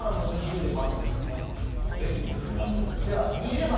とりあえず様子見ましょう